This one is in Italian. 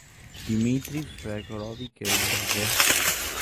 Dmitrij Fëdorovič Egorov